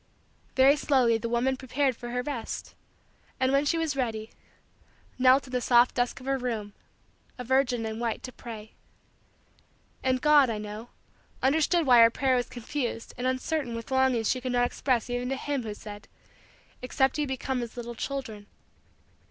Very slowly the woman prepared for her rest and, when she was ready, knelt in the soft dusk of her room, a virgin in white to pray. And God, I know, understood why her prayer was confused and uncertain with longings she could not express even to him who said: "Except ye become as little children."